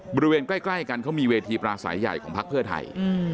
บริเวณใกล้กันเขามีเวทีปราศัยใหญ่ของพักเพื่อไทย